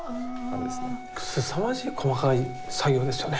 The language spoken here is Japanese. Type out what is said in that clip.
すさまじい細かい作業ですよね